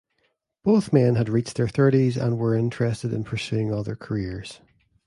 Both men had reached their thirties and were interested in pursuing other careers.